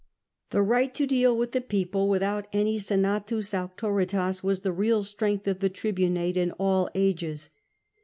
The right to deal with the people without any scnatus auctoritas was the real strength of the tribunate in all ages.